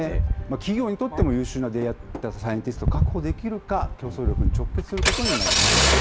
企業にとっても、優秀なデータサイエンティスト確保できるか、競争力に直結することになりそうです。